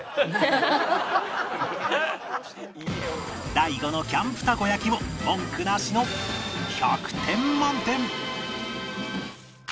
大悟のキャンプたこ焼きも文句なしの１００点満点！